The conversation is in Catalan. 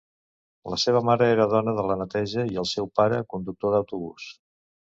La seva mare era dona de la neteja i el seu pare, conductor d'autobús.